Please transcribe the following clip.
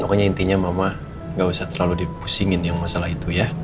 pokoknya intinya mama gak usah terlalu dipusingin yang masalah itu ya